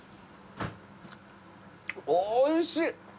おいしい！